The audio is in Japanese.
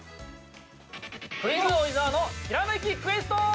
◆「クイズ王・伊沢のひらめきクエスト」！